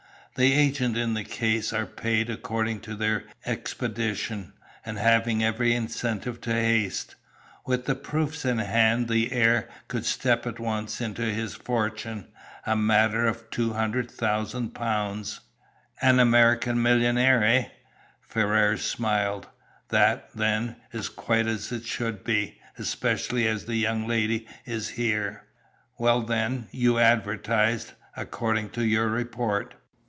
The agents in the case are paid according to their expedition, and have every incentive to haste. With the proofs in hand the heir could step at once into his fortune, a matter of £200,000." "An American millionaire, eh?" Ferrars smiled. "That, then, is quite as it should be, especially as the young lady is here. Well, then, you advertised, according to your report?"